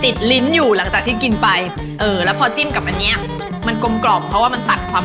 ลิ้นอยู่หลังจากที่กินไปเออแล้วพอจิ้มกับอันเนี้ยมันกลมกล่อมเพราะว่ามันตัดความ